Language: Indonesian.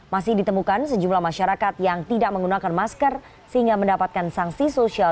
masih ditemukan sejumlah masyarakat yang tidak menggunakan masker sehingga mendapatkan sanksi sosial